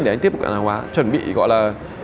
để anh tiếp cận hàng hóa chuẩn bị gọi là